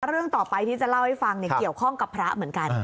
เรื่องต่อไปที่จะเล่าให้ฟังเกี่ยวข้องกับพระเหมือนกัน